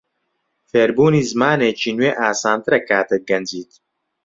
فێربوونی زمانێکی نوێ ئاسانترە کاتێک گەنجیت.